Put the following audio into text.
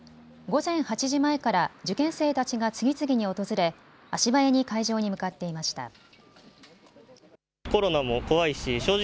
午前８時前から受験生たちが次々に訪れ足早に会場に向かっていました。